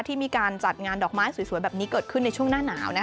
ที่มีการจัดงานดอกไม้สวยแบบนี้เกิดขึ้นในช่วงหน้าหนาว